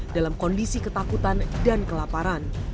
dalam kondisi ketakutan dan kelaparan